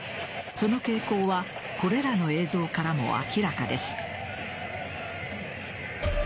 その傾向はこれらの映像からも明らかです。